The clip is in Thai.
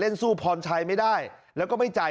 สู้พรชัยไม่ได้แล้วก็ไม่จ่าย